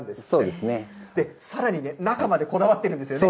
さらにね、中までこだわってるんですよね。